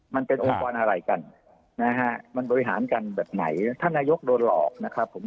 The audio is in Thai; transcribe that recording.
มันเป็นองค์กรอะไรกันนะฮะมันบริหารกันแบบไหนท่านนายกโดนหลอกนะครับผม